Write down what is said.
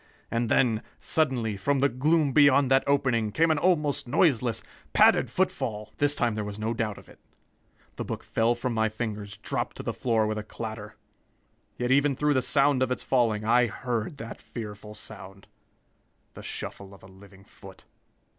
And then, suddenly, from the gloom beyond that opening, came an almost noiseless, padded footfall!" This time there was no doubt of it. The book fell from my fingers, dropped to the floor with a clatter. Yet even through the sound of its falling, I heard that fearful sound the shuffle of a living foot!